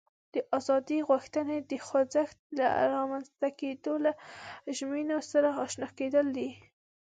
د ازادي غوښتنې د خوځښت له رامنځته کېدو له ژمینو سره آشنا کېدل دي.